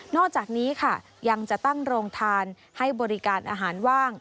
อกจากนี้ค่ะยังจะตั้งโรงทานให้บริการอาหารว่าง